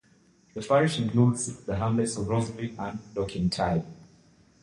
The parish includes the hamlets of Rose Green and Dorking Tye.